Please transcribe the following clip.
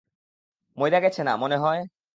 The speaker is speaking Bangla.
মইরা গেছে না, মনে হয়?